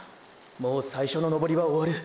もう最初の登りは終わる。